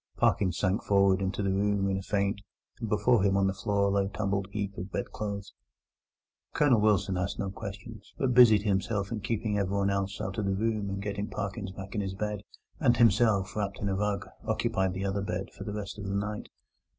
Parkins sank forward into the room in a faint, and before him on the floor lay a tumbled heap of bed clothes. Colonel Wilson asked no questions, but busied himself in keeping everyone else out of the room and in getting Parkins back to his bed; and himself, wrapped in a rug, occupied the other bed, for the rest of the night.